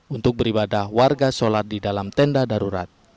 untuk beribadah warga sholat di dalam tenda darurat